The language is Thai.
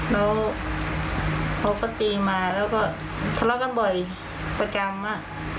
แล้วเขาก็ตีมาแล้วก็ทะเลาะกันบ่อยประจำ